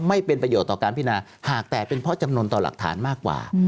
ไม่เป็นประโยชน์ต่อการพินาหากแตกเป็นเพราะจำนวนต่อหลักฐานมากกว่า